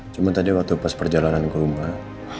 cuma tadi waktu pas perjalanan ke rumah